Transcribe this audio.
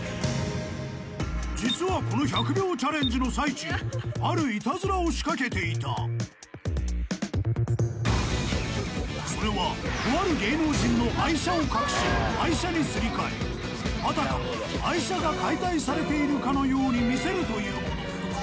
実はこの１００秒チャレンジの最中あるイタズラを仕掛けていたそれはとある芸能人の愛車を隠し廃車にすり替えあたかも愛車が解体されているかのように見せるというもの